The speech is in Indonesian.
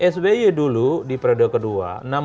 sby dulu di periode kedua